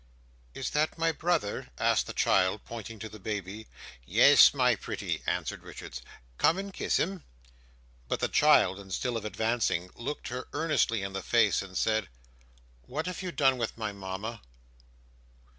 "Is that my brother?" asked the child, pointing to the Baby. "Yes, my pretty," answered Richards. "Come and kiss him." But the child, instead of advancing, looked her earnestly in the face, and said: "What have you done with my Mama?"